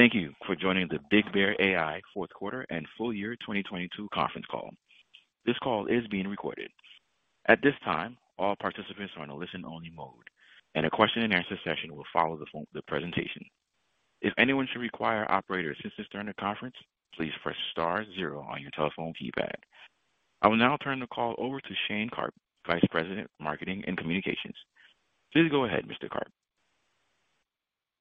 Thank you for joining the BigBear.ai fourth quarter and full year 2022 conference call. This call is being recorded. At this time, all participants are in a listen-only mode. A question and answer session will follow the presentation. If anyone should require operator assistance during the conference, please press star zero on your telephone keypad. I will now turn the call over to Shane Karp, Vice President of Marketing and Communications. Please go ahead, Mr. Karp.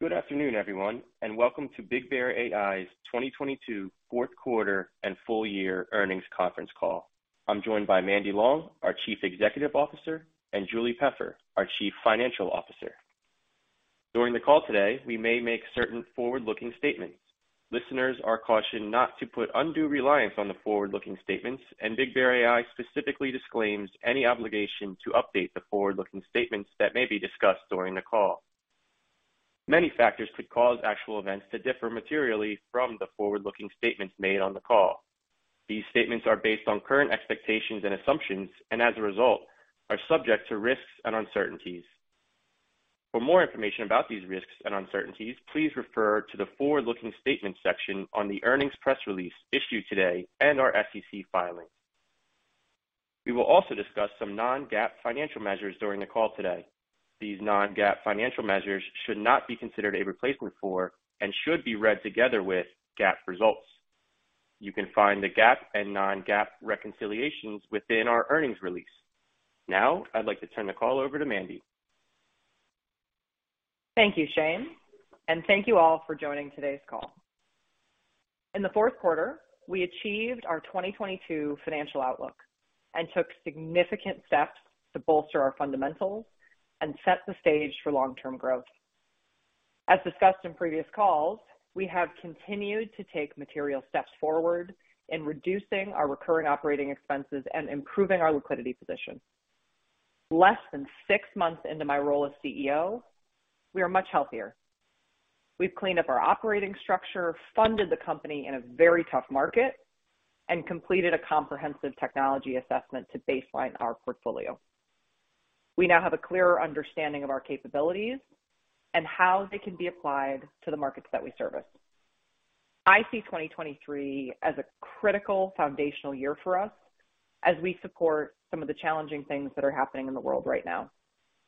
Good afternoon, everyone, and welcome to BigBear.ai's 2022 fourth quarter and full year earnings conference call. I'm joined by Mandy Long, our Chief Executive Officer, and Julie Peffer, our Chief Financial Officer. During the call today, we may make certain forward-looking statements. Listeners are cautioned not to put undue reliance on the forward-looking statements, and BigBear.ai specifically disclaims any obligation to update the forward-looking statements that may be discussed during the call. Many factors could cause actual events to differ materially from the forward-looking statements made on the call. These statements are based on current expectations and assumptions, and as a result are subject to risks and uncertainties. For more information about these risks and uncertainties, please refer to the forward-looking statements section on the earnings press release issued today and our SEC filing. We will also discuss some non-GAAP financial measures during the call today. These non-GAAP financial measures should not be considered a replacement for and should be read together with GAAP results. You can find the GAAP and non-GAAP reconciliations within our earnings release. Now I'd like to turn the call over to Mandy. Thank you, Shane, and thank you all for joining today's call. In the fourth quarter, we achieved our 2022 financial outlook and took significant steps to bolster our fundamentals and set the stage for long-term growth. As discussed in previous calls, we have continued to take material steps forward in reducing our recurrent operating expenses and improving our liquidity position. Less than six months into my role as CEO, we are much healthier. We've cleaned up our operating structure, funded the company in a very tough market, and completed a comprehensive technology assessment to baseline our portfolio. We now have a clearer understanding of our capabilities and how they can be applied to the markets that we service. I see 2023 as a critical foundational year for us as we support some of the challenging things that are happening in the world right now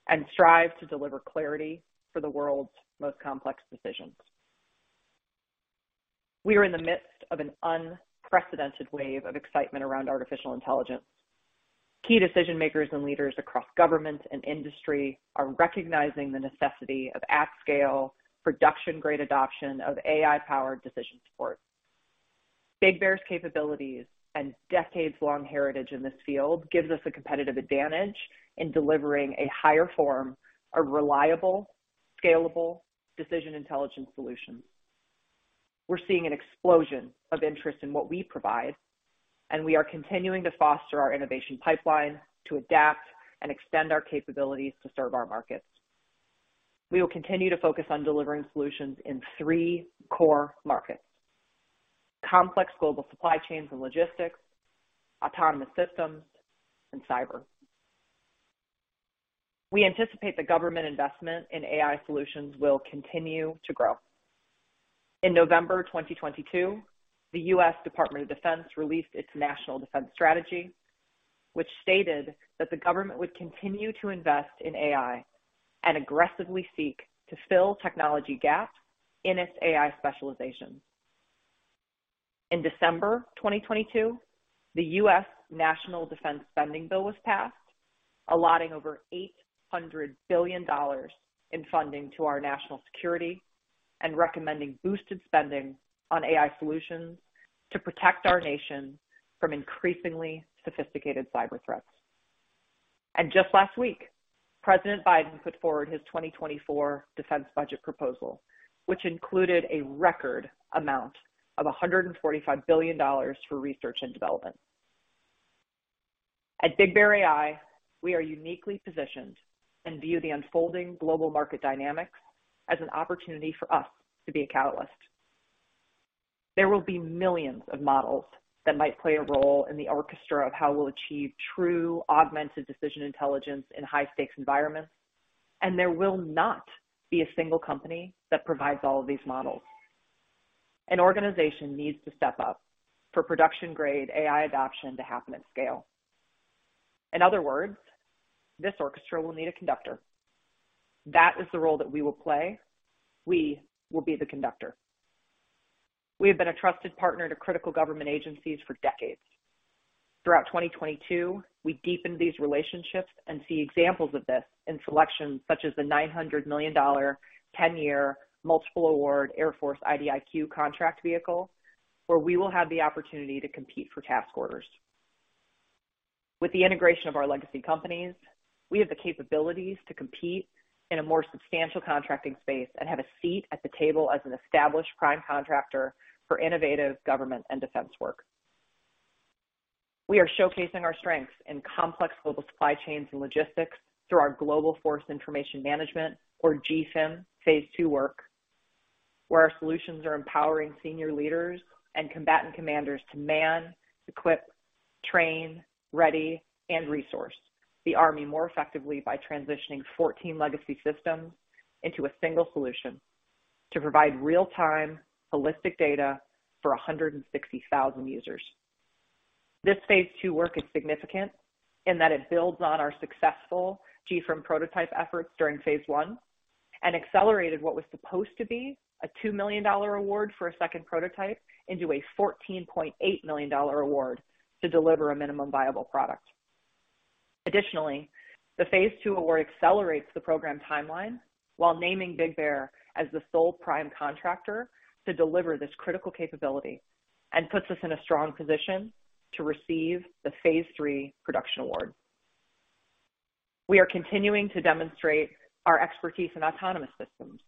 and strive to deliver clarity for the world's most complex decisions. We are in the midst of an unprecedented wave of excitement around artificial intelligence. Key decision makers and leaders across government and industry are recognizing the necessity of at-scale production-grade adoption of AI-powered decision support. BigBear's capabilities and decades-long heritage in this field gives us a competitive advantage in delivering a higher form of reliable, scalable Decision Intelligence solutions. We're seeing an explosion of interest in what we provide. We are continuing to foster our innovation pipeline to adapt and extend our capabilities to serve our markets. We will continue to focus on delivering solutions in three core markets: complex global supply chains and logistics, autonomous systems, and cyber. We anticipate the government investment in AI solutions will continue to grow. In November 2022, the U.S. Department of Defense released its National Defense Strategy, which stated that the government would continue to invest in AI and aggressively seek to fill technology gaps in its AI specialization. In December 2022, the U.S. National Defense Spending Bill was passed, allotting over $800 billion in funding to our national security and recommending boosted spending on AI solutions to protect our nation from increasingly sophisticated cyber threats. Just last week, President Biden put forward his 2024 defense budget proposal, which included a record amount of $145 billion for research and development. At BigBear.ai, we are uniquely positioned and view the unfolding global market dynamics as an opportunity for us to be a catalyst. There will be millions of models that might play a role in the orchestra of how we'll achieve true augmented Decision Intelligence in high-stakes environments, and there will not be a single company that provides all of these models. An organization needs to step up for production-grade AI adoption to happen at scale. In other words, this orchestra will need a conductor. That is the role that we will play. We will be the conductor. We have been a trusted partner to critical government agencies for decades. Throughout 2022, we deepened these relationships and see examples of this in selections such as the $900 million 10-year multiple award Air Force IDIQ contract vehicle, where we will have the opportunity to compete for task orders. With the integration of our legacy companies, we have the capabilities to compete in a more substantial contracting space and have a seat at the table as an established prime contractor for innovative government and defense work. We are showcasing our strengths in complex global supply chains and logistics through our Global Force Information Management, or GFIM, phase II work, where our solutions are empowering senior leaders and combatant commanders to man, equip-Train, ready, and resource the Army more effectively by transitioning 14 legacy systems into a single solution to provide real-time holistic data for 160,000 users. This phase II work is significant in that it builds on our successful GFIM prototype efforts during phase I and accelerated what was supposed to be a $2 million award for a second prototype into a $14.8 million award to deliver a minimum viable product. The phase II award accelerates the program timeline while naming BigBear.ai as the sole prime contractor to deliver this critical capability and puts us in a strong position to receive the phase III production award. We are continuing to demonstrate our expertise in autonomous systems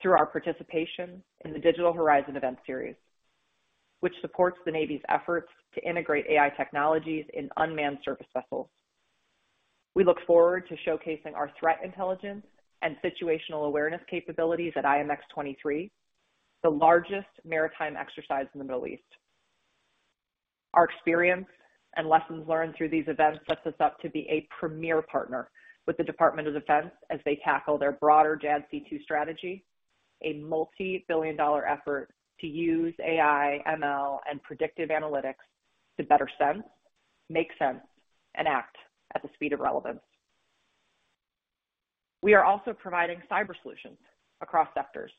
through our participation in the Digital Horizon event series, which supports the Navy's efforts to integrate AI technologies in unmanned surface vessels. We look forward to showcasing our threat intelligence and situational awareness capabilities at IMX 23, the largest maritime exercise in the Middle East. Our experience and lessons learned through these events sets us up to be a premier partner with the Department of Defense as they tackle their broader JADC2 strategy, a multi-billion-dollar effort to use AI, ML, and predictive analytics to better sense, make sense, and act at the speed of relevance. We are also providing cyber solutions across sectors.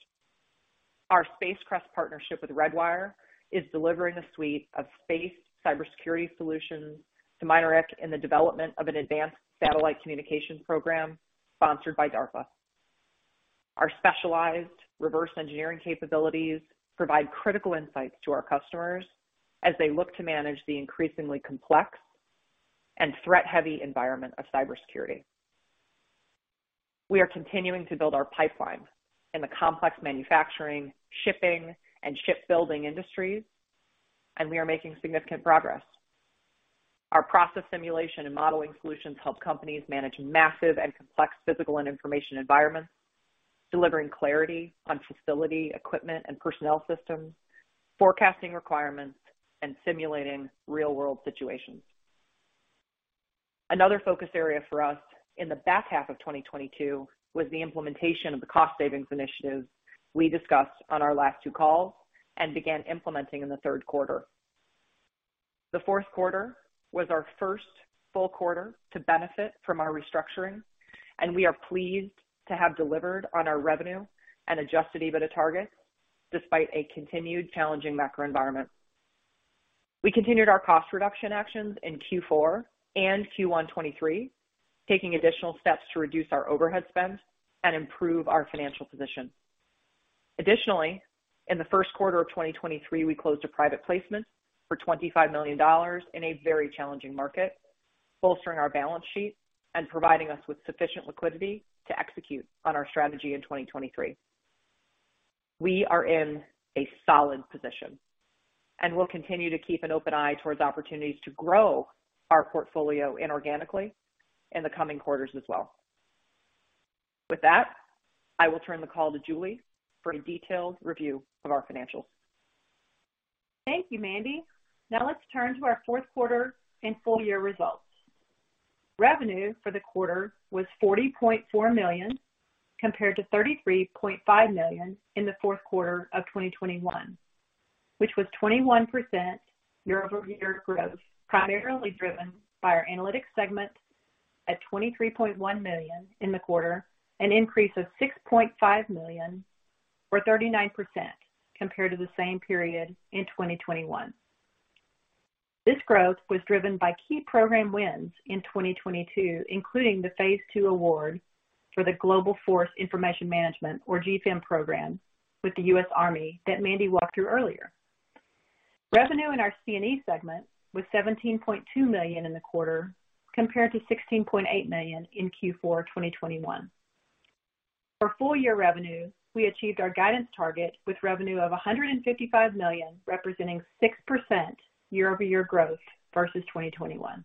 Our SpaceCREST partnership with Redwire is delivering a suite of space cybersecurity solutions to Mynaric in the development of an advanced satellite communications program sponsored by DARPA. Our specialized reverse engineering capabilities provide critical insights to our customers as they look to manage the increasingly complex and threat-heavy environment of cybersecurity. We are continuing to build our pipeline in the complex manufacturing, shipping, and shipbuilding industries, and we are making significant progress. Our process simulation and modeling solutions help companies manage massive and complex physical and information environments, delivering clarity on facility, equipment, and personnel systems, forecasting requirements, and simulating real-world situations. Another focus area for us in the back half of 2022 was the implementation of the cost savings initiatives we discussed on our last two calls and began implementing in the third quarter. The fourth quarter was our first full quarter to benefit from our restructuring, and we are pleased to have delivered on our revenue and Adjusted EBITDA targets despite a continued challenging macro environment. We continued our cost reduction actions in Q4 and Q1 2023, taking additional steps to reduce our overhead spend and improve our financial position. Additionally, in the first quarter of 2023, we closed a private placement for $25 million in a very challenging market, bolstering our balance sheet and providing us with sufficient liquidity to execute on our strategy in 2023. We are in a solid position, and we'll continue to keep an open eye towards opportunities to grow our portfolio inorganically in the coming quarters as well. With that, I will turn the call to Julie for a detailed review of our financials. Thank you, Mandy. Let's turn to our fourth quarter and full-year results. Revenue for the quarter was $40.4 million, compared to $33.5 million in the fourth quarter of 2021, which was 21% year-over-year growth, primarily driven by our analytics segment at $23.1 million in the quarter, an increase of $6.5 million or 39% compared to the same period in 2021. This growth was driven by key program wins in 2022, including the phase II award for the Global Force Information Management, or GFIM program, with the U.S. Army that Mandy walked through earlier. Revenue in our C&E segment was $17.2 million in the quarter, compared to $16.8 million in Q4 2021. For full-year revenue, we achieved our guidance target with revenue of $155 million, representing 6% year-over-year growth versus 2021.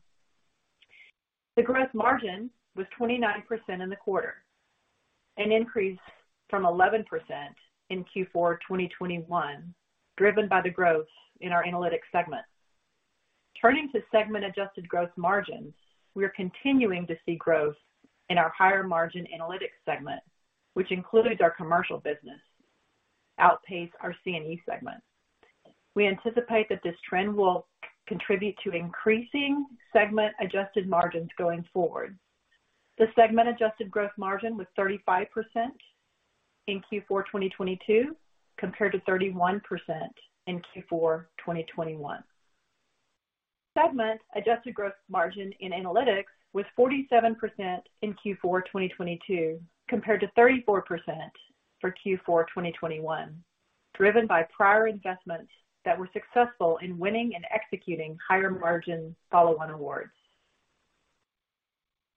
The growth margin was 29% in the quarter, an increase from 11% in Q4 2021, driven by the growth in our analytics segment. Turning to segment adjusted growth margins, we are continuing to see growth in our higher-margin analytics segment, which includes our commercial business, outpace our C&E segment. We anticipate that this trend will contribute to increasing segment-adjusted margins going forward. The segment adjusted growth margin was 35% in Q4 2022, compared to 31% in Q4 2021. Segment adjusted growth margin in analytics was 47% in Q4 2022, compared to 34% for Q4 2021, driven by prior investments that were successful in winning and executing higher-margin follow-on awards.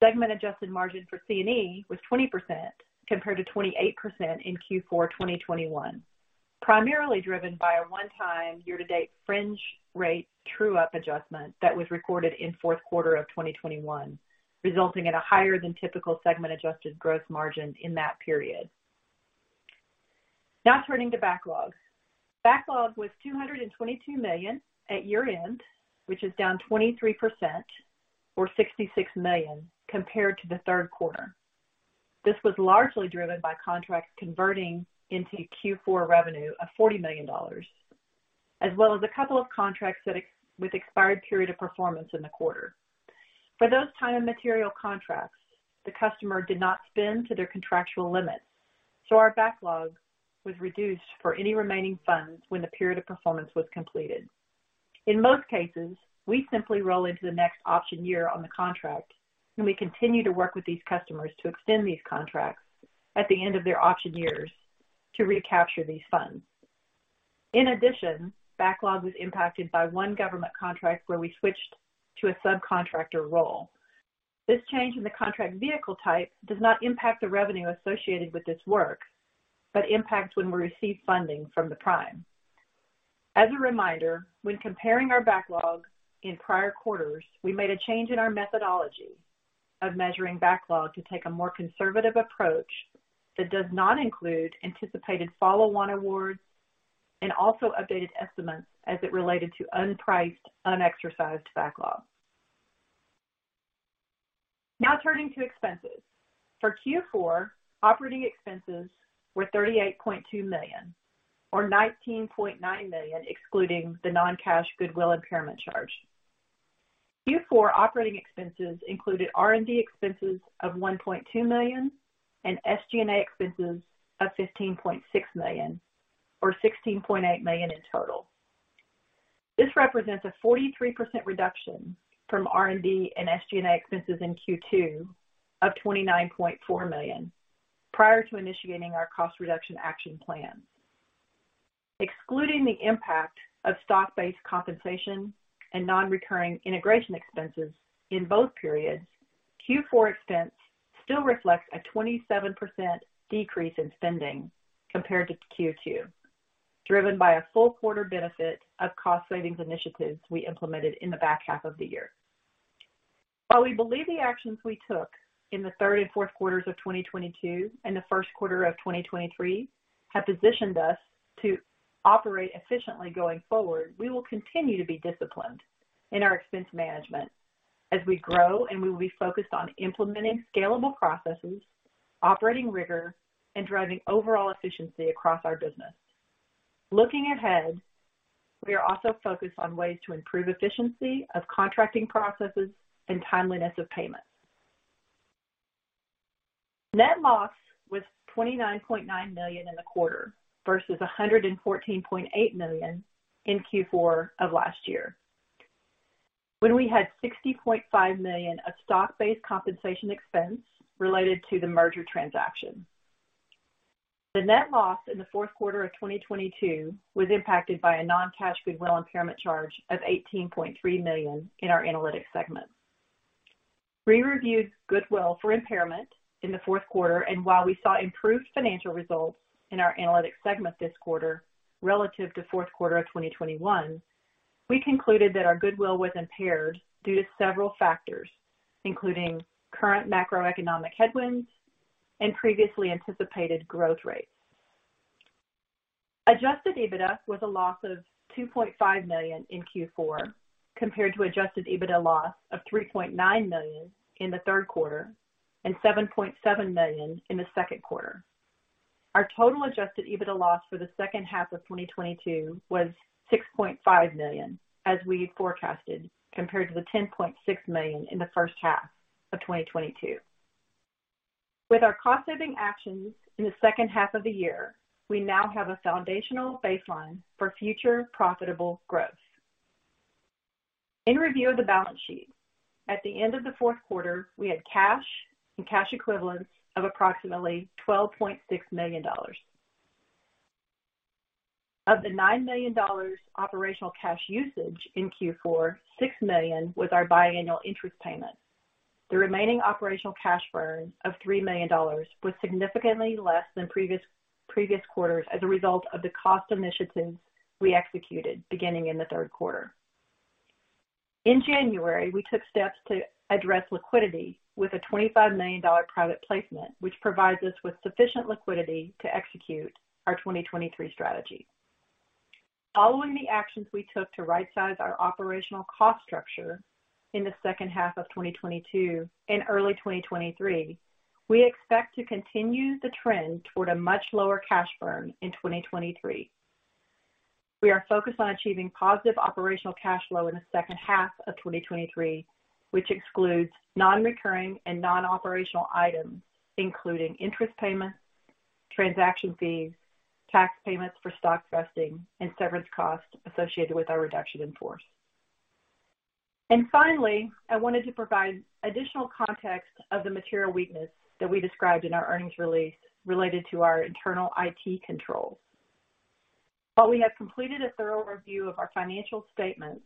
Segment adjusted margin for C&E was 20% compared to 28% in Q4 2021, primarily driven by a one-time year-to-date fringe rate true-up adjustment that was recorded in fourth quarter of 2021, resulting in a higher than typical segment adjusted growth margin in that period. Turning to backlog. Backlog was $222 million at year-end, which is down 23% or $66 million compared to the third quarter. This was largely driven by contracts converting into Q4 revenue of $40 million, as well as a couple of contracts that expired period of performance in the quarter. For those time and material contracts, the customer did not spend to their contractual limits, our backlog was reduced for any remaining funds when the period of performance was completed. In most cases, we simply roll into the next option year on the contract, and we continue to work with these customers to extend these contracts at the end of their option years to recapture these funds. In addition, backlog was impacted by one government contract where we switched to a subcontractor role. This change in the contract vehicle type does not impact the revenue associated with this work, but impacts when we receive funding from the prime. As a reminder, when comparing our backlog in prior quarters, we made a change in our methodology of measuring backlog to take a more conservative approach that does not include anticipated follow-on awards and also updated estimates as it related to unpriced, unexercised backlog. Now turning to expenses. For Q4, operating expenses were $38.2 million, or $19.9 million, excluding the non-cash goodwill impairment charge. Q4 operating expenses included R&D expenses of $1.2 million and SG&A expenses of $15.6 million, or $16.8 million in total. This represents a 43% reduction from R&D and SG&A expenses in Q2 of $29.4 million prior to initiating our cost reduction action plan. Excluding the impact of stock-based compensation and non-recurring integration expenses in both periods, Q4 expense still reflects a 27% decrease in spending compared to Q2, driven by a full quarter benefit of cost savings initiatives we implemented in the back half of the year. While we believe the actions we took in the third and fourth quarters of 2022 and the first quarter of 2023 have positioned us to operate efficiently going forward, we will continue to be disciplined in our expense management as we grow, and we will be focused on implementing scalable processes, operating rigor, and driving overall efficiency across our business. Looking ahead, we are also focused on ways to improve efficiency of contracting processes and timeliness of payments. Net loss was $29.9 million in the quarter versus $114.8 million in Q4 of last year, when we had $60.5 million of stock-based compensation expense related to the merger transaction. The net loss in the fourth quarter of 2022 was impacted by a non-cash goodwill impairment charge of $18.3 million in our analytics segment. We reviewed goodwill for impairment in the fourth quarter, while we saw improved financial results in our analytics segment this quarter relative to fourth quarter of 2021, we concluded that our goodwill was impaired due to several factors, including current macroeconomic headwinds and previously anticipated growth rates. Adjusted EBITDA was a loss of $2.5 million in Q4, compared to Adjusted EBITDA loss of $3.9 million in the third quarter and $7.7 million in the second quarter. Our total Adjusted EBITDA loss for the second half of 2022 was $6.5 million, as we forecasted, compared to the $10.6 million in the first half of 2022. With our cost saving actions in the second half of the year, we now have a foundational baseline for future profitable growth. In review of the balance sheet, at the end of the fourth quarter, we had cash and cash equivalents of approximately $12.6 million. Of the $9 million operational cash usage in Q4, $6 million was our biannual interest payment. The remaining operational cash burn of $3 million was significantly less than previous quarters as a result of the cost initiatives we executed beginning in the third quarter. In January, we took steps to address liquidity with a $25 million private placement, which provides us with sufficient liquidity to execute our 2023 strategy. Following the actions we took to right-size our operational cost structure in the second half of 2022 and early 2023, we expect to continue the trend toward a much lower cash burn in 2023. We are focused on achieving positive operational cash flow in the second half of 2023, which excludes non-recurring and non-operational items, including interest payments, transaction fees, tax payments for stock vesting and severance costs associated with our reduction in force. Finally, I wanted to provide additional context of the material weakness that we described in our earnings release related to our internal IT controls. While we have completed a thorough review of our financial statements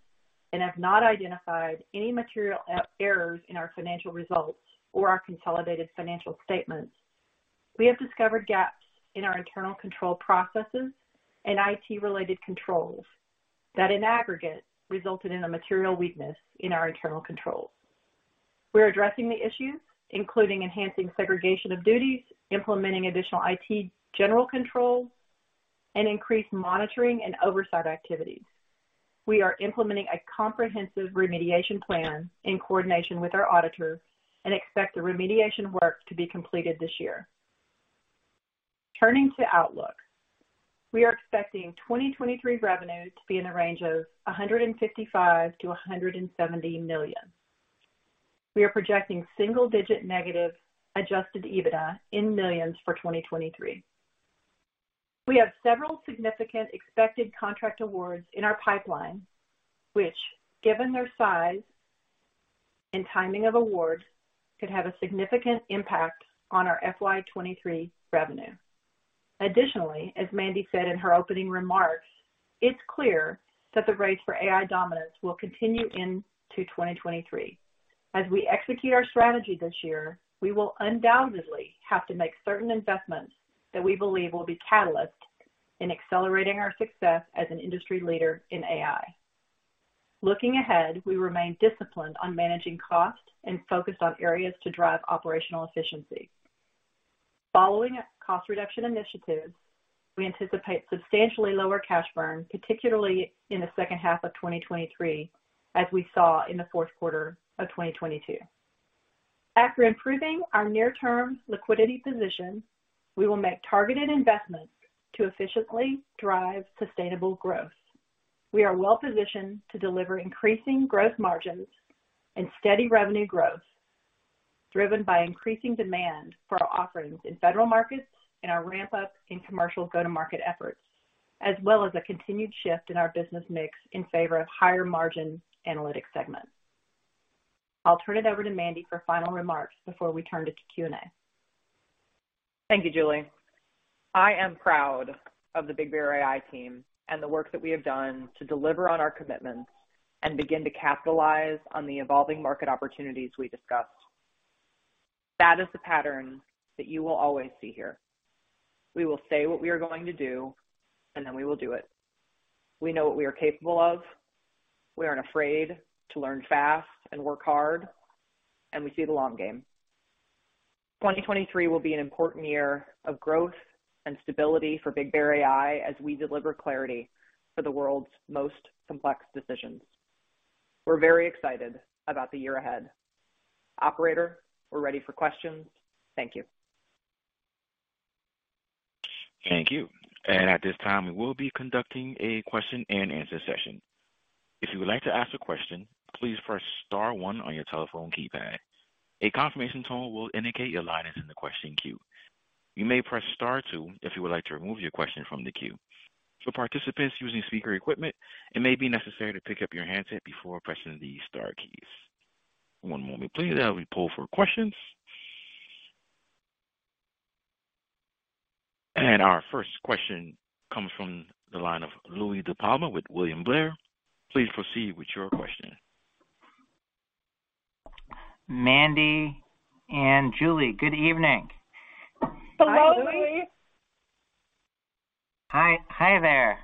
and have not identified any material errors in our financial results or our consolidated financial statements, we have discovered gaps in our internal control processes and IT-related controls that in aggregate resulted in a material weakness in our internal controls. We're addressing the issues, including enhancing segregation of duties, implementing additional IT general controls, and increased monitoring and oversight activities. We are implementing a comprehensive remediation plan in coordination with our auditors and expect the remediation work to be completed this year. Turning to outlook. We are expecting 2023 revenue to be in the range of $155 million-$170 million. We are projecting single-digit negative Adjusted EBITDA in millions for 2023. We have several significant expected contract awards in our pipeline, which, given their size and timing of awards, could have a significant impact on our FY 2023 revenue. As Mandy said in her opening remarks, it's clear that the race for AI dominance will continue into 2023. As we execute our strategy this year, we will undoubtedly have to make certain investments that we believe will be catalysts in accelerating our success as an industry leader in AI. Looking ahead, we remain disciplined on managing costs and focused on areas to drive operational efficiency. Following cost reduction initiatives, we anticipate substantially lower cash burn, particularly in the second half of 2023, as we saw in the fourth quarter of 2022. After improving our near-term liquidity position, we will make targeted investments to efficiently drive sustainable growth. We are well-positioned to deliver increasing growth margins and steady revenue growth, driven by increasing demand for our offerings in federal markets and our ramp-up in commercial go-to-market efforts, as well as a continued shift in our business mix in favor of higher-margin analytics segments. I'll turn it over to Mandy for final remarks before we turn it to Q&A. Thank you, Julie. I am proud of the BigBear.ai team and the work that we have done to deliver on our commitments and begin to capitalize on the evolving market opportunities we discussed. That is the pattern that you will always see here. We will say what we are going to do, and then we will do it. We know what we are capable of. We aren't afraid to learn fast and work hard, and we see the long game. 2023 will be an important year of growth and stability for BigBear.ai as we deliver clarity for the world's most complex decisions. We're very excited about the year ahead. Operator, we're ready for questions. Thank you. Thank you. At this time, we will be conducting a question-and-answer session. If you would like to ask a question, please press star one on your telephone keypad. A confirmation tone will indicate your line is in the question queue. You may press star two if you would like to remove your question from the queue. For participants using speaker equipment, it may be necessary to pick up your handset before pressing the star keys. One moment please, as we poll for questions. Our first question comes from the line of Louie DiPalma with William Blair. Please proceed with your question. Mandy and Julie, good evening. Hello, Louie. Hi, Louie. Hi. Hi there.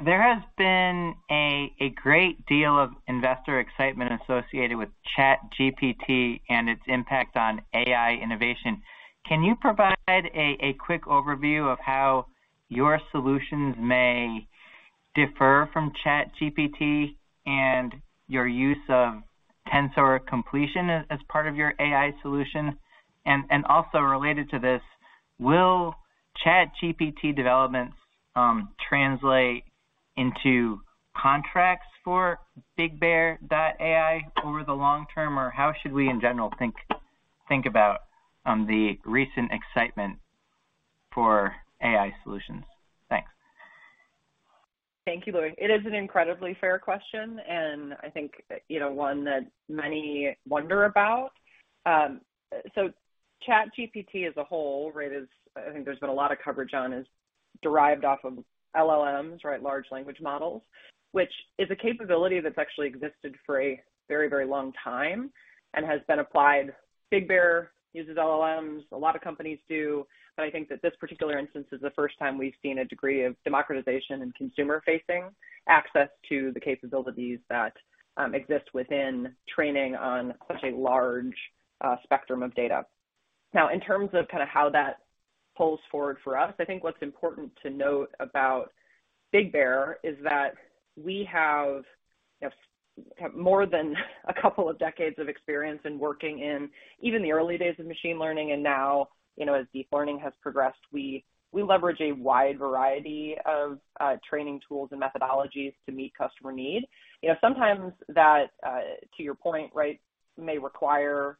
There has been a great deal of investor excitement associated with ChatGPT and its impact on AI innovation. Can you provide a quick overview of how your solutions may differ from ChatGPT and your use of tensor completion as part of your AI solution? Also related to this, will ChatGPT developments translate into contracts for BigBear.ai over the long term? How should we in general think about the recent excitement for AI solutions? Thanks. Thank you, Louie. It is an incredibly fair question, and I think, you know, one that many wonder about. ChatGPT as a whole, right, is, I think there's been a lot of coverage on, is derived off of LLMs, right? Large language models. Which is a capability that's actually existed for a very, very long time and has been applied. BigBear uses LLMs, a lot of companies do, but I think that this particular instance is the first time we've seen a degree of democratization and consumer-facing access to the capabilities that exist within training on such a large spectrum of data. Now, in terms of kind of how that pulls forward for us, I think what's important to note about BigBear.ai is that we have more than a couple of decades of experience in working in even the early days of machine learning, and now, you know, as deep learning has progressed, we leverage a wide variety of training tools and methodologies to meet customer need. You know, sometimes that, to your point, right, may require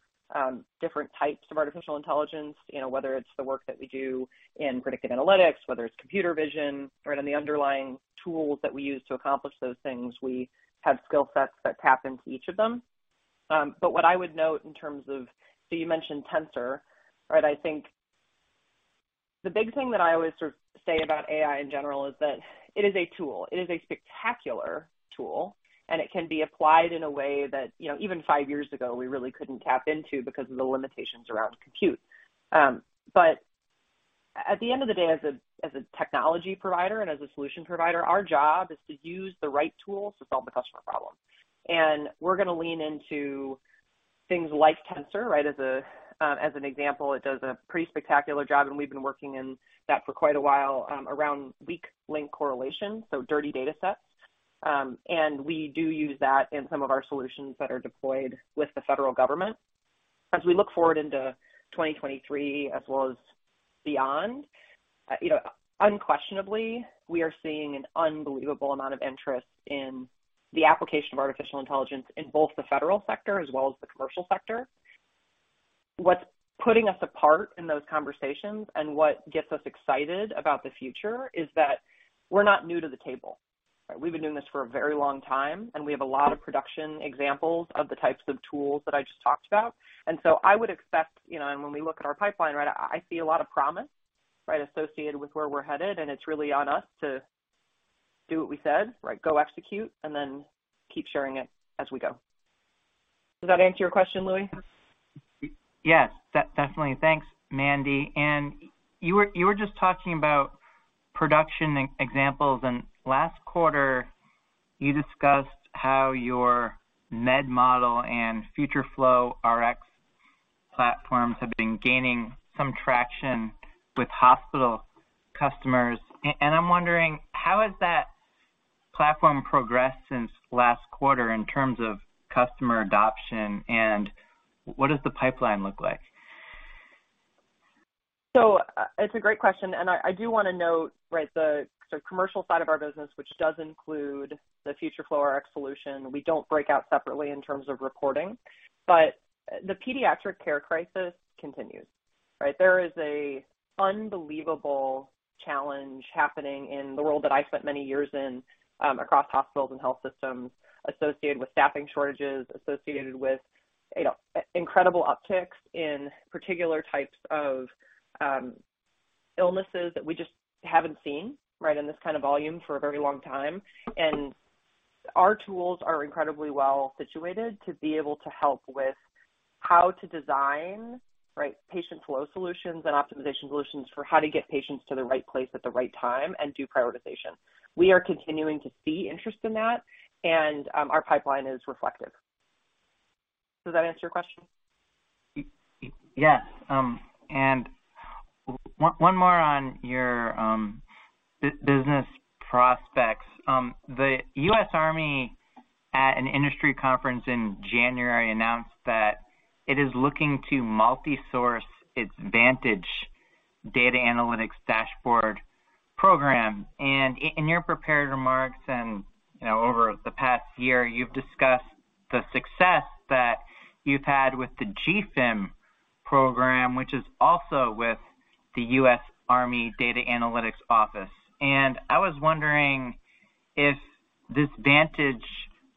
different types of artificial intelligence, you know, whether it's the work that we do in predictive analytics, whether it's computer vision or any underlying tools that we use to accomplish those things. We have skill sets that tap into each of them. What I would note in terms of, you mentioned Tensor, right? I think the big thing that I always sort of say about AI in general is that it is a tool. It is a spectacular tool, and it can be applied in a way that, you know, even five years ago, we really couldn't tap into because of the limitations around compute. At the end of the day, as a technology provider and as a solution provider, our job is to use the right tools to solve the customer problem. We're gonna lean into things like Tensor, right? As an example, it does a pretty spectacular job, and we've been working in that for quite a while, around weak link correlation, so dirty datasets. We do use that in some of our solutions that are deployed with the federal government. As we look forward into 2023 as well as beyond, you know, unquestionably, we are seeing an unbelievable amount of interest in the application of artificial intelligence in both the federal sector as well as the commercial sector. What's putting us apart in those conversations and what gets us excited about the future is that we're not new to the table, right? We've been doing this for a very long time, and we have a lot of production examples of the types of tools that I just talked about. I would expect, you know, and when we look at our pipeline, right, I see a lot of promise, right, associated with where we're headed, and it's really on us to do what we said, right? Go execute and then keep sharing it as we go. Does that answer your question, Louie? Yes. Definitely. Thanks, Mandy. You were just talking about production examples, and last quarter, you discussed how your MED model and FutureFlow Rx platforms have been gaining some traction with hospital customers. I'm wondering, how has that platform progressed since last quarter in terms of customer adoption, and what does the pipeline look like? It's a great question, and I do wanna note, right, the sort of commercial side of our business, which does include the FutureFlow Rx solution. We don't break out separately in terms of reporting. The pediatric care crisis continues, right? There is a unbelievable challenge happening in the world that I spent many years in, across hospitals and health systems associated with staffing shortages, associated with, you know, incredible upticks in particular types of illnesses that we just haven't seen, right, in this kind of volume for a very long time. Our tools are incredibly well situated to be able to help with how to design, right, patient flow solutions and optimization solutions for how to get patients to the right place at the right time and do prioritization. We are continuing to see interest in that, and our pipeline is reflective. Does that answer your question? Yes. One more on your business prospects. The U.S. Army, at an industry conference in January, announced that it is looking to multisource its Vantage data analytics dashboard program. In your prepared remarks and, you know, over the past year, you've discussed the success that you've had with the GFIM program, which is also with the Army Data and Analytics Platforms. I was wondering if this Vantage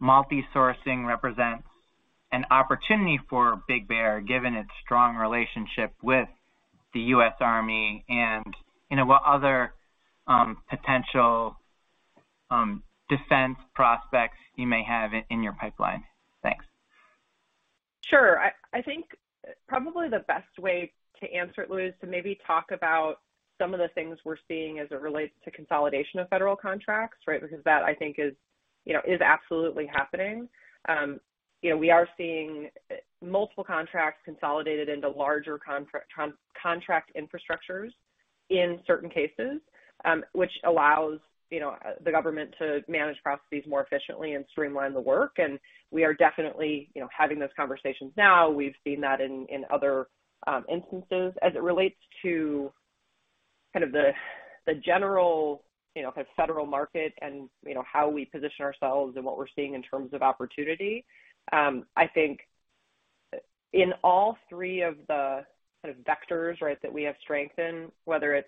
multisourcing represents an opportunity for BigBear.ai, given its strong relationship with the U.S. Army and, you know, what other potential defense prospects you may have in your pipeline. Thanks. Sure. I think probably the best way to answer it, Louie, is to maybe talk about some of the things we're seeing as it relates to consolidation of federal contracts, right? That, I think, is, you know, is absolutely happening. You know, we are seeing multiple contracts consolidated into larger contract infrastructures in certain cases, which allows, you know, the government to manage processes more efficiently and streamline the work. We are definitely, you know, having those conversations now. We've seen that in other instances. As it relates to kind of the general, you know, kind of federal market and, you know, how we position ourselves and what we're seeing in terms of opportunity, I think in all three of the sort of vectors, right, that we have strength in, whether it's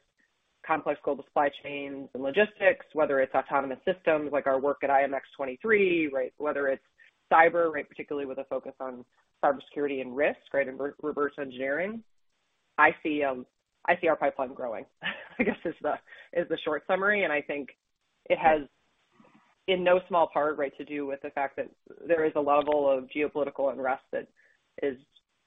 complex global supply chains and logistics, whether it's autonomous systems like our work at IMX 23, right, whether it's cyber, right, particularly with a focus on cybersecurity and risk, right, and reverse engineering. I see our pipeline growing, I guess, is the, is the short summary, and I think it has, in no small part, right, to do with the fact that there is a level of geopolitical unrest that is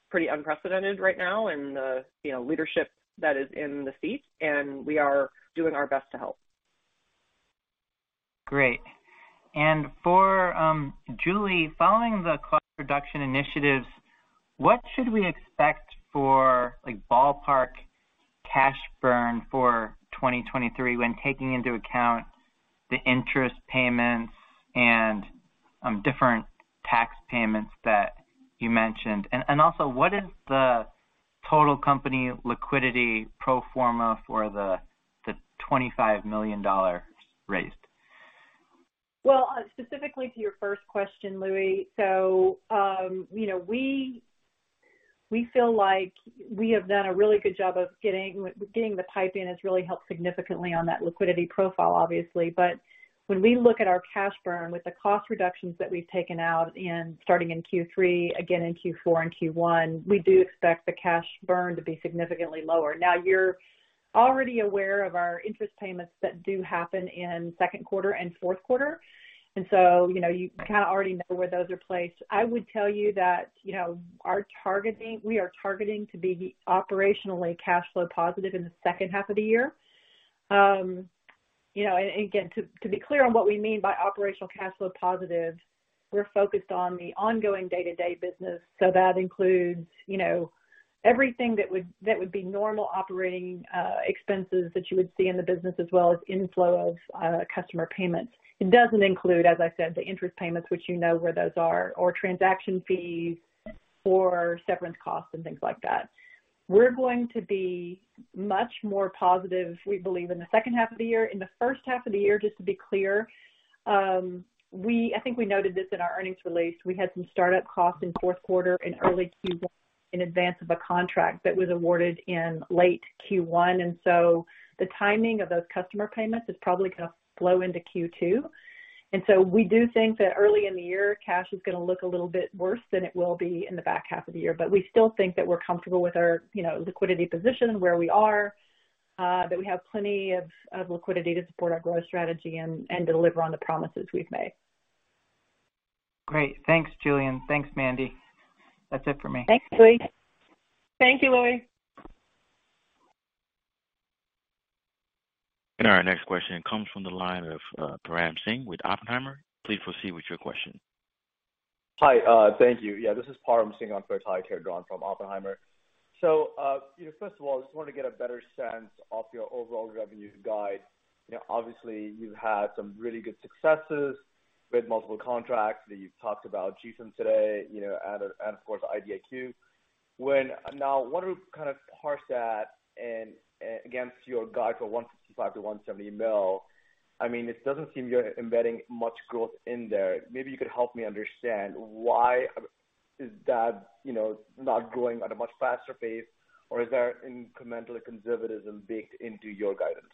pretty unprecedented right now in the, you know, leadership that is in the seat, and we are doing our best to help. Great. For Julie, following the cost reduction initiatives, what should we expect for, like, ballpark cash burn for 2023 when taking into account the interest payments and different tax payments that you mentioned? Also, what is the total company liquidity pro forma for the $25 million raised? Specifically to your first question, Louie. You know, we feel like we have done a really good job of getting the pipe in has really helped significantly on that liquidity profile, obviously. When we look at our cash burn with the cost reductions that we've taken out in starting in Q3, again in Q4 and Q1, we do expect the cash burn to be significantly lower. You're already aware of our interest payments that do happen in second quarter and fourth quarter, you know, you kinda already know where those are placed. I would tell you that, you know, we are targeting to be operationally cash flow positive in the second half of the year. You know, to be clear on what we mean by operational cash flow positive, we're focused on the ongoing day-to-day business. That includes, you know, everything that would be normal operating expenses that you would see in the business as well as inflow of customer payments. It doesn't include, as I said, the interest payments, which you know where those are, or transaction fees or severance costs and things like that. We're going to be much more positive, we believe, in the second half of the year. In the first half of the year, just to be clear, I think we noted this in our earnings release. We had some startup costs in fourth quarter and early Q1 in advance of a contract that was awarded in late Q1. The timing of those customer payments is probably gonna flow into Q2. We do think that early in the year, cash is gonna look a little bit worse than it will be in the back half of the year. We still think that we're comfortable with our, you know, liquidity position where we are, that we have plenty of liquidity to support our growth strategy and deliver on the promises we've made. Great. Thanks, Julie. Thanks, Mandy. That's it for me. Thanks, Louie. Thank you, Louie. Our next question comes from the line of Param Singh with Oppenheimer. Please proceed with your question. Hi. Thank you. Yeah, this is Param Singh on for Timothy Horan from Oppenheimer. First of all, I just wanted to get a better sense of your overall revenue guide. You know, obviously you've had some really good successes with multiple contracts that you've talked about, GFIM today, and of course, IDIQ. Now, I wanted to kind of parse that and, against your guide for $165 million-$170 million. I mean, it doesn't seem you're embedding much growth in there. Maybe you could help me understand why is that, you know, not growing at a much faster pace, or is there incremental conservatism baked into your guidance?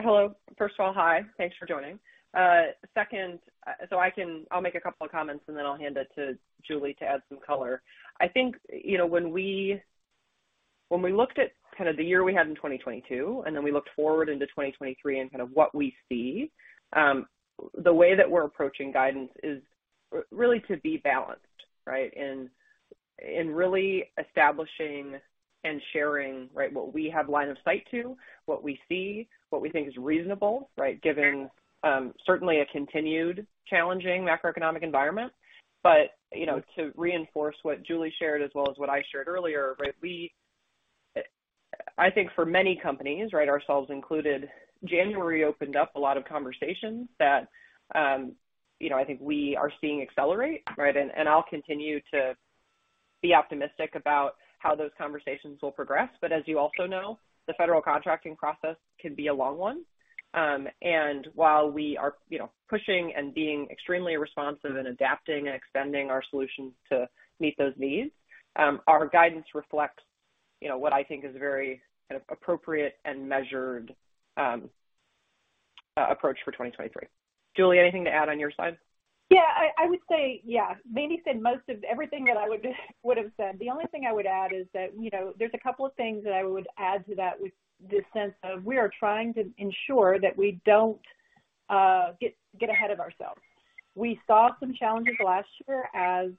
Hello. First of all, hi, thanks for joining. Second, I'll make a couple of comments, and then I'll hand it to Julie to add some color. I think, you know, when we, when we looked at kind of the year we had in 2022, and then we looked forward into 2023 and kind of what we see, the way that we're approaching guidance is really to be balanced, right? And really establishing and sharing, right, what we have line of sight to, what we see, what we think is reasonable, right? Given, certainly a continued challenging macroeconomic environment. You know, to reinforce what Julie shared as well as what I shared earlier, right? We, I think for many companies, right, ourselves included, January opened up a lot of conversations that, you know, I think we are seeing accelerate, right? I'll continue to be optimistic about how those conversations will progress. As you also know, the federal contracting process can be a long one. While we are, you know, pushing and being extremely responsive and adapting and extending our solutions to meet those needs, our guidance reflects, you know, what I think is a very kind of appropriate and measured approach for 2023. Julie, anything to add on your side? Yeah. I would say yeah. Mandy said most of everything that I would would've said. The only thing I would add is that, you know, there's a couple of things that I would add to that with the sense of we are trying to ensure that we don't get ahead of ourselves. We saw some challenges last year as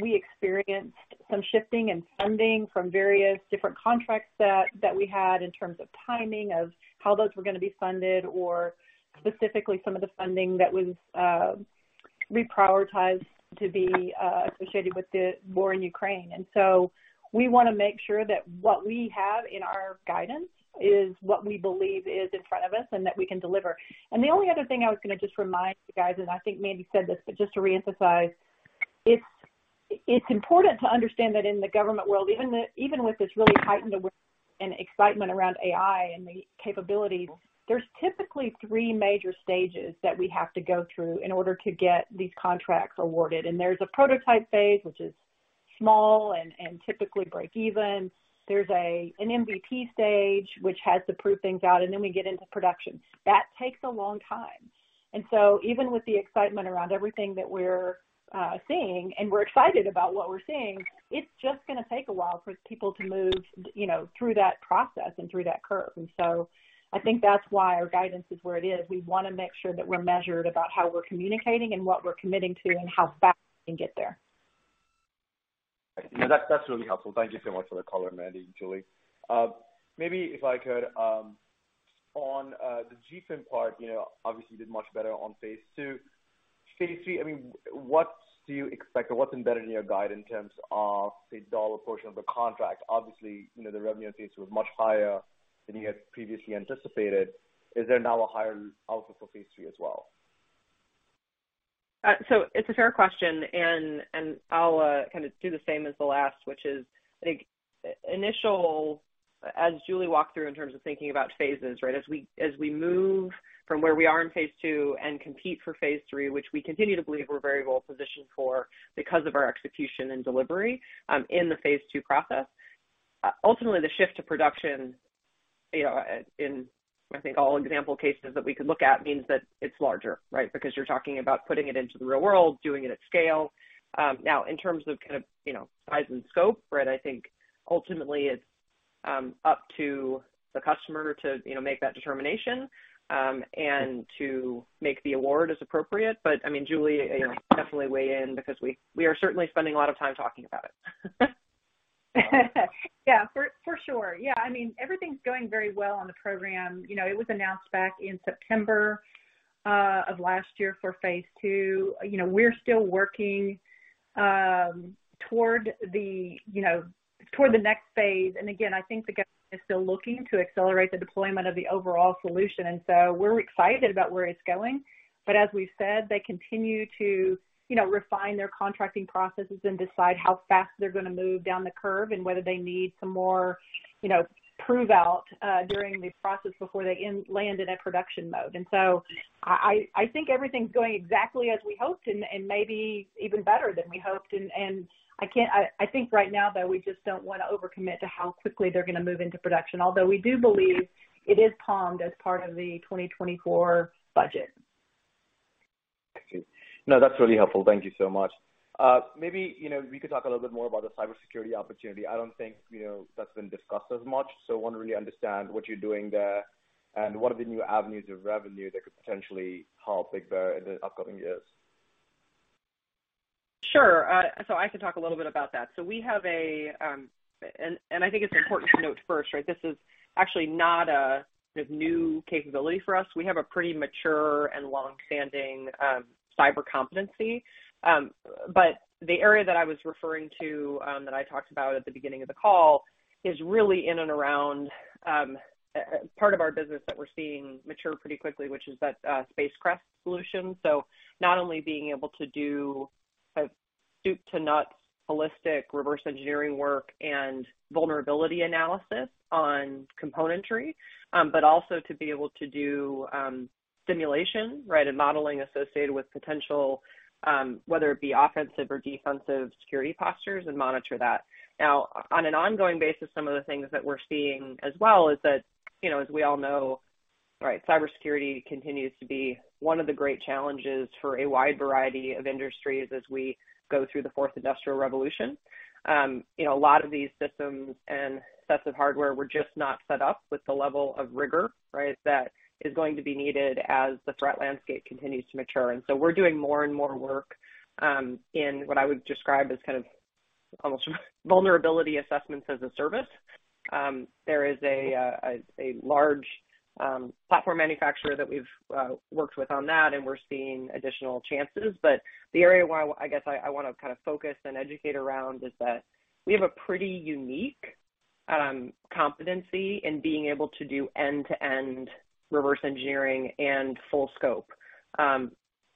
we experienced some shifting and funding from various different contracts that we had in terms of timing of how those were gonna be funded or specifically some of the funding that was reprioritized to be associated with the war in Ukraine. We wanna make sure that what we have in our guidance is what we believe is in front of us and that we can deliver. The only other thing I was gonna just remind you guys is, I think Mandy said this, but just to reemphasize, it's important to understand that in the government world, even with, even with this really heightened awareness and excitement around AI and the capabilities, there's typically three major stages that we have to go through in order to get these contracts awarded. There's a prototype phase, which is small and typically break even. There's an MVP stage, which has to prove things out, and then we get into production. That takes a long time. So even with the excitement around everything that we're seeing, and we're excited about what we're seeing, it's just gonna take a while for people to move, you know, through that process and through that curve. So I think that's why our guidance is where it is. We wanna make sure that we're measured about how we're communicating and what we're committing to and how fast we can get there. That's really helpful. Thank you so much for the color, Mandy and Julie. Maybe if I could on the GFIM part, you know, obviously did much better on phase II. Phase III, I mean, what do you expect or what's embedded in your guide in terms of the dollar portion of the contract? Obviously, you know, the revenue on phase II was much higher than you had previously anticipated. Is there now a higher outlook for phase III as well? It's a fair question, and I'll kind of do the same as the last, which is I think initial as Julie walked through in terms of thinking about phases, right? As we move from where we are in phase II and compete for phase III, which we continue to believe we're very well positioned for because of our execution and delivery in the phase II process. Ultimately, the shift to production, you know, in I think all example cases that we could look at means that it's larger, right? Because you're talking about putting it into the real world, doing it at scale. In terms of kind of, you know, size and scope, right? I think ultimately it's up to the customer to, you know, make that determination and to make the award as appropriate. I mean, Julie, you know, definitely weigh in because we are certainly spending a lot of time talking about it. Yeah, for sure. Yeah, I mean, everything's going very well on the program. You know, it was announced back in September of last year for phase II. You know, we're still working toward the next phase. Again, I think the government is still looking to accelerate the deployment of the overall solution. We're excited about where it's going. As we've said, they continue to, you know, refine their contracting processes and decide how fast they're gonna move down the curve and whether they need some more, you know, prove out during the process before they land in a production mode. I think everything's going exactly as we hoped and maybe even better than we hoped. I think right now, though, we just don't wanna over-commit to how quickly they're gonna move into production. Although we do believe it is palmed as part of the 2024 budget. Thank you. No, that's really helpful. Thank you so much. Maybe, you know, we could talk a little bit more about the cybersecurity opportunity. I don't think, you know, that's been discussed as much. I wanna really understand what you're doing there and what are the new avenues of revenue that could potentially help Big Bear in the upcoming years. Sure. I can talk a little bit about that. I think it's important to note first, right, this is actually not a new capability for us. We have a pretty mature and long-standing cyber competency. The area that I was referring to, that I talked about at the beginning of the call is really in and around part of our business that we're seeing mature pretty quickly, which is that SpaceCREST solution. Not only being able to do a soup to nuts holistic reverse engineering work and vulnerability analysis on componentry, but also to be able to do simulation, right, and modeling associated with potential, whether it be offensive or defensive security postures and monitor that. On an ongoing basis, some of the things that we're seeing as well is that, you know, as we all know, right, cybersecurity continues to be one of the great challenges for a wide variety of industries as we go through the Fourth Industrial Revolution. You know, a lot of these systems and sets of hardware were just not set up with the level of rigor, right, that is going to be needed as the threat landscape continues to mature. We're doing more and more work in what I would describe as kind of almost vulnerability assessments as a service. There is a large platform manufacturer that we've worked with on that. We're seeing additional chances. The area where I guess I wanna kind of focus and educate around is that we have a pretty unique competency in being able to do end-to-end reverse engineering and full scope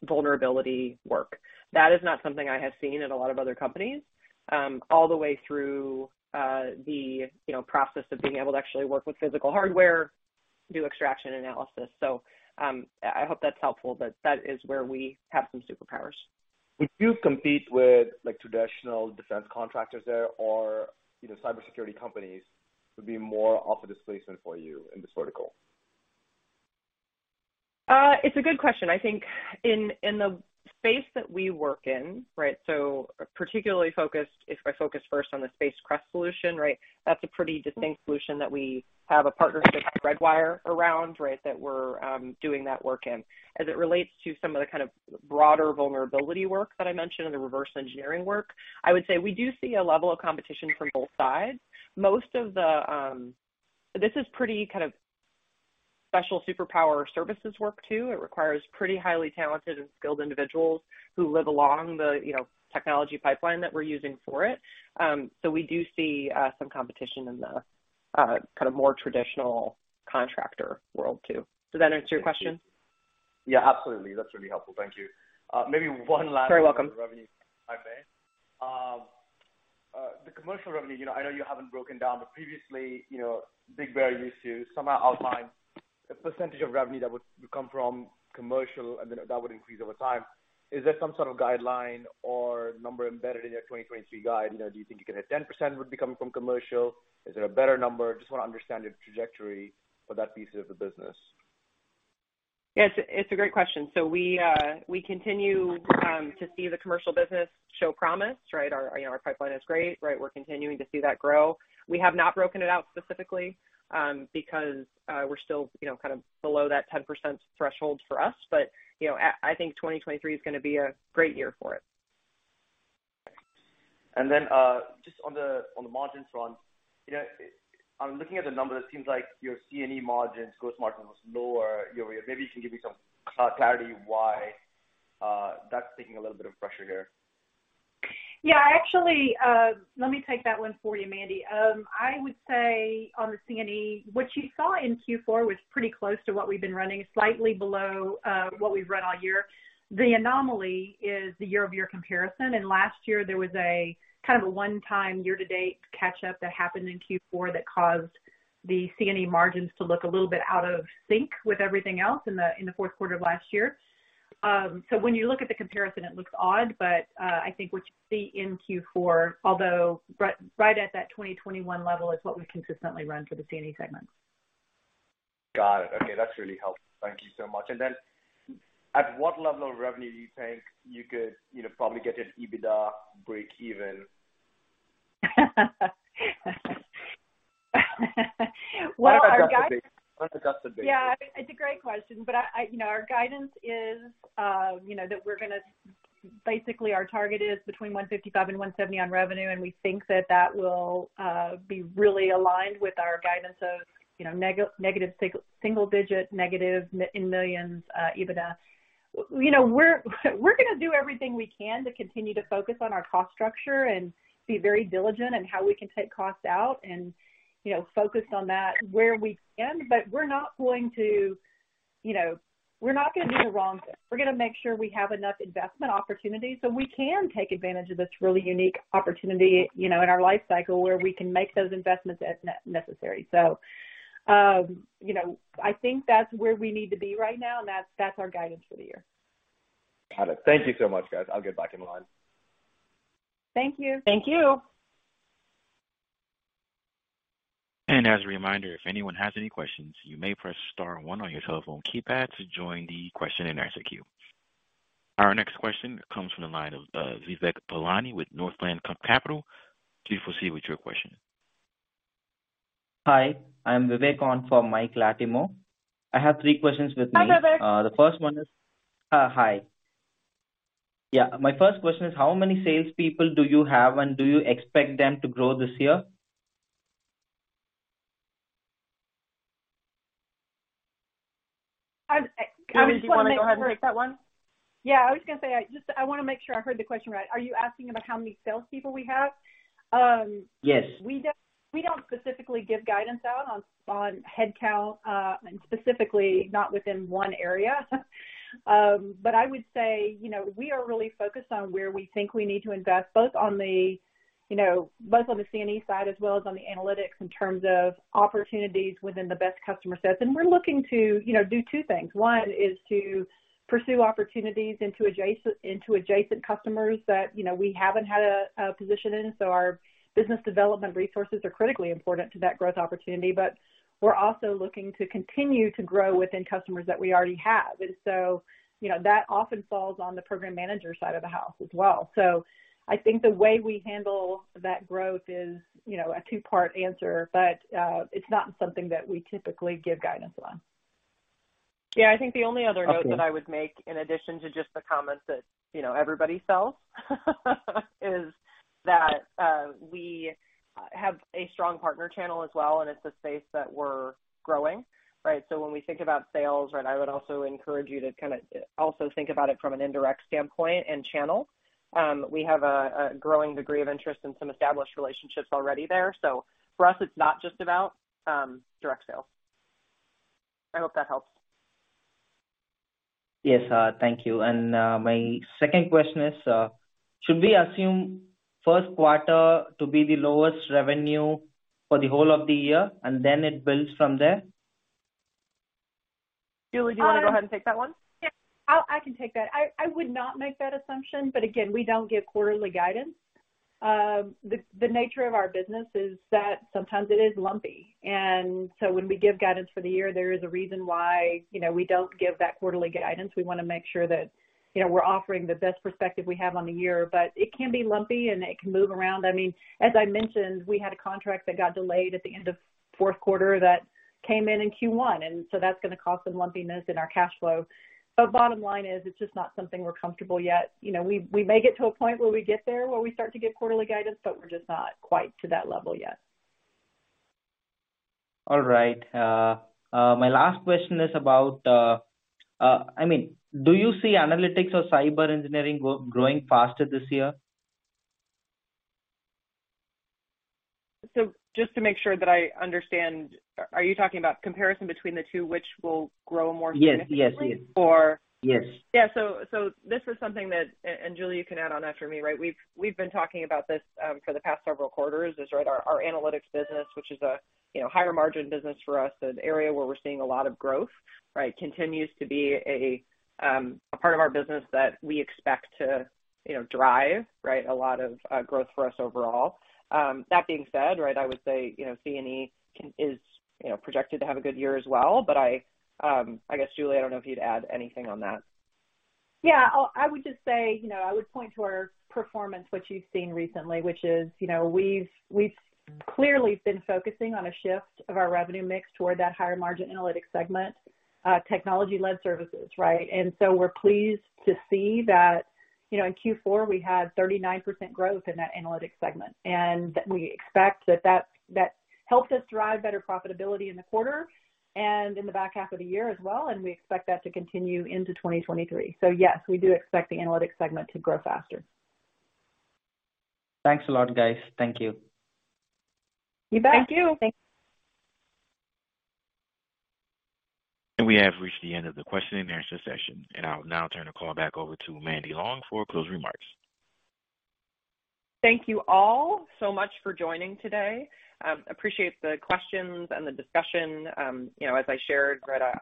vulnerability work. That is not something I have seen in a lot of other companies, all the way through the, you know, process of being able to actually work with physical hardware, do extraction analysis. I hope that's helpful, but that is where we have some superpowers. Would you compete with, like, traditional defense contractors there or, you know, cybersecurity companies would be more off a displacement for you in this vertical? It's a good question. I think in the space that we work in, right, particularly if I focus first on the SpaceCREST solution, right? That's a pretty distinct solution that we have a partnership with Redwire around, right, that we're doing that work in. As it relates to some of the kind of broader vulnerability work that I mentioned and the reverse engineering work, I would say we do see a level of competition from both sides. This is pretty kind of special superpower services work, too. It requires pretty highly talented and skilled individuals who live along the, you know, technology pipeline that we're using for it. We do see some competition in the kind of more traditional contractor world, too. Does that answer your question? Yeah, absolutely. That's really helpful. Thank you. maybe one last. Very welcome. On the revenue side, maybe. The commercial revenue, you know, I know you haven't broken down, but previously, you know, BigBear.ai used to somehow outline a percentage of revenue that would come from commercial and then that would increase over time. Is there some sort of guideline or number embedded in your 2023 guide? You know, do you think you can hit 10% would be coming from commercial? Is there a better number? Just wanna understand your trajectory for that piece of the business. Yes, it's a great question. We continue to see the commercial business show promise, right? Our, you know, our pipeline is great, right? We're continuing to see that grow. We have not broken it out specifically because we're still, you know, kind of below that 10% threshold for us. You know, I think 2023 is gonna be a great year for it. Just on the, on the margins front, you know, I'm looking at the numbers, it seems like your C&E margins, gross margins was lower year-over-year. Maybe you can give me some clarity why that's taking a little bit of pressure here? Yeah, actually, let me take that one for you, Mandy. I would say on the CNE, what you saw in Q4 was pretty close to what we've been running, slightly below, what we've run all year. The anomaly is the year-over-year comparison. Last year there was a kind of a one-time year-to-date catch-up that happened in Q4 that caused the CNE margins to look a little bit out of sync with everything else in the, in the fourth quarter of last year. When you look at the comparison, it looks odd, but, I think what you see in Q4, although right at that 2021 level, is what we consistently run for the CNE segment. Got it. Okay, that's really helpful. Thank you so much. Then at what level of revenue do you think you could, you know, probably get an EBITDA breakeven? What our guide, On an adjusted basis. Yeah, it's a great question. You know, basically, our target is between $155 million and $170 million on revenue, and we think that that will be really aligned with our guidance of, you know, negative single digit, negative in millions EBITDA. We know we're gonna do everything we can to continue to focus on our cost structure and be very diligent in how we can take costs out and, you know, focus on that where we can. We're not going to, you know, we're not gonna do the wrong thing. We're gonna make sure we have enough investment opportunities, so we can take advantage of this really unique opportunity, you know, in our life cycle where we can make those investments as necessary. You know, I think that's where we need to be right now, and that's our guidance for the year. Got it. Thank you so much, guys. I'll get back in line. Thank you. Thank you. As a reminder, if anyone has any questions, you may press star one on your telephone keypad to join the question-and-answer queue. Our next question comes from the line of Vivek Balani with Northland Capital. Please proceed with your question. Hi, I'm Vivek on for Michael Latimore. I have three questions with me. Hi, Vivek. Hi. My first question is, how many salespeople do you have, and do you expect them to grow this year? I, Julie, do you wanna go ahead and take that one? Yeah. I was gonna say, I want to make sure I heard the question right. Are you asking about how many salespeople we have? Yes. We don't specifically give guidance out on headcount, and specifically not within one area. I would say, you know, we are really focused on where we think we need to invest, both on the, you know, both on the CNE side as well as on the analytics in terms of opportunities within the best customer sets. We're looking to, you know, do two things. One is to pursue opportunities into adjacent customers that, you know, we haven't had a position in. Our business development resources are critically important to that growth opportunity. We're also looking to continue to grow within customers that we already have. So, you know, that often falls on the program manager side of the house as well. I think the way we handle that growth is, you know, a two-part answer, but it's not something that we typically give guidance on. Yeah. I think the only other note. Okay. that I would make in addition to just the comment that, you know, everybody sells, is that we have a strong partner channel as well, and it's a space that we're growing, right? When we think about sales, right, I would also encourage you to kind of also think about it from an indirect standpoint and channel. We have a growing degree of interest in some established relationships already there. For us, it's not just about direct sales. I hope that helps. Yes. Thank you. My second question is, should we assume first quarter to be the lowest revenue for the whole of the year, and then it builds from there? Julie, do you wanna go ahead and take that one? Yeah. I can take that. I would not make that assumption. Again, we don't give quarterly guidance. The nature of our business is that sometimes it is lumpy. When we give guidance for the year, there is a reason why, you know, we don't give that quarterly guidance. We wanna make sure that, you know, we're offering the best perspective we have on the year. It can be lumpy, and it can move around. I mean, as I mentioned, we had a contract that got delayed at the end of fourth quarter that came in in Q1, that's gonna cause some lumpiness in our cash flow. Bottom line is it's just not something we're comfortable yet. You know, we may get to a point where we get there, where we start to give quarterly guidance, but we're just not quite to that level yet. All right. My last question is about, I mean, do you see analytics or cyber engineering growing faster this year? Just to make sure that I understand, are you talking about comparison between the two, which will grow more significantly? Yes. Yes. Yes. Or Yes. This is something that, and Julie, you can add on after me, right? We've been talking about this for the past several quarters is our analytics business, which is a, you know, higher margin business for us, an area where we're seeing a lot of growth, right? Continues to be a part of our business that we expect to, you know, drive, right, a lot of growth for us overall. That being said, right, I would say, you know, CNE is, you know, projected to have a good year as well. I guess, Julie, I don't know if you'd add anything on that. I would just say, you know, I would point to our performance, which you've seen recently, which is, you know, we've clearly been focusing on a shift of our revenue mix toward that higher margin analytics segment, technology-led services, right? We're pleased to see that, you know, in Q4, we had 39% growth in that analytics segment. We expect that helped us drive better profitability in the quarter and in the back half of the year as well, and we expect that to continue into 2023. Yes, we do expect the analytics segment to grow faster. Thanks a lot, guys. Thank you. You bet. Thank you. We have reached the end of the question-and-answer session. I'll now turn the call back over to Mandy Long for closing remarks. Thank you all so much for joining today. Appreciate the questions and the discussion. You know, as I shared, Greta,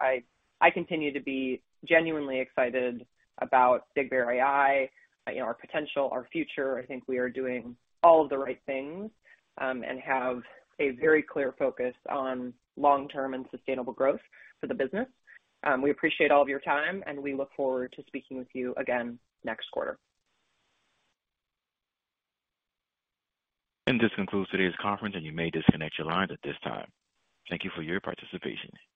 I continue to be genuinely excited about BigBear.ai, you know, our potential, our future. I think we are doing all of the right things, and have a very clear focus on long-term and sustainable growth for the business. We appreciate all of your time, and we look forward to speaking with you again next quarter. This concludes today's conference, and you may disconnect your lines at this time. Thank you for your participation.